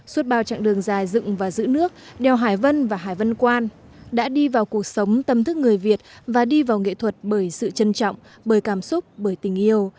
suốt bao trạng đường dài dựng và giữ nước đèo hải vân và hải vân quan đã đi vào cuộc sống tâm thức người việt và đi vào nghệ thuật bởi sự trân trọng bởi cảm xúc bởi tình yêu